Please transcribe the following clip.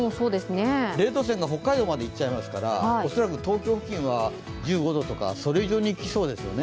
０度線が北海道までいっちゃいますから恐らく東京付近は１５度とか、それ以上にいきそうですよね。